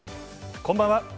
こんばんは。